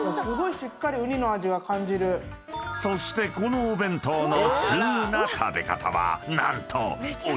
［そしてこのお弁当の］